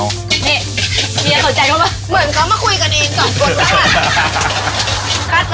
เหมือนกันมาคุยกันเองสองคนล่ะ